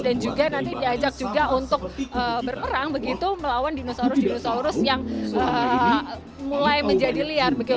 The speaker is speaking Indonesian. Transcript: dan juga nanti diajak juga untuk berperang begitu melawan dinosaurus dinosaurus yang mulai menjadi liar